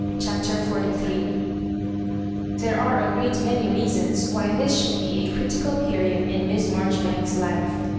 CHAPTER XLIIL Thebe were a great many reasons why this should be a critical period in Miss Marjoribanks's life.